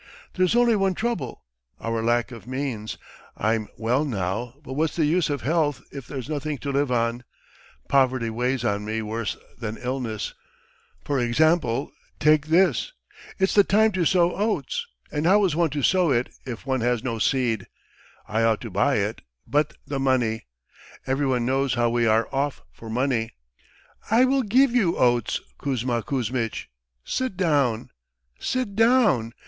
There's only one trouble, our lack of means. I'm well now, but what's the use of health if there's nothing to live on? Poverty weighs on me worse than illness. ... For example, take this ... It's the time to sow oats, and how is one to sow it if one has no seed? I ought to buy it, but the money ... everyone knows how we are off for money. ..." "I will give you oats, Kuzma Kuzmitch. ... Sit down, sit down.